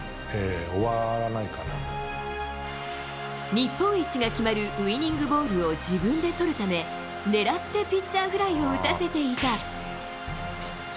日本一が決まるウィニングボールを自分でとるため狙ってピッチャーフライを打たせていた。